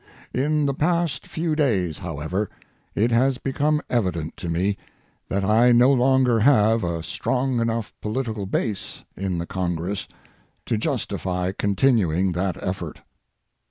In the past few days, however, it has become evident to me that I no longer have a strong enough political base in the Congress to justify continuing that effort.